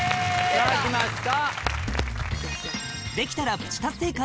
さぁきました。